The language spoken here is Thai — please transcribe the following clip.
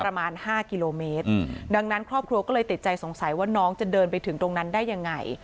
ประมาณห้ากิโลเมตรดังนั้นครอบครัวก็เลยติดใจสงสัยว่าน้องจะเดินไปถึงตรงนั้นได้ยังไง